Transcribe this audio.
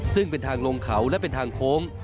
ซึ่งเป็นทางลงเขาและเป็นทางโค้ง